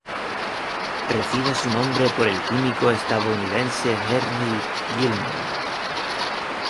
Recibe su nombre por el químico estadounidense Henry Gilman.